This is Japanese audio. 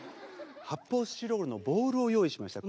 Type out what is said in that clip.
発泡スチロールのボールを用意しました。